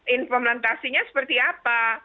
implementasinya seperti apa